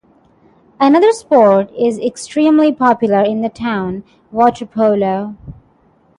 Another sport is extremely popular in the town - waterpolo.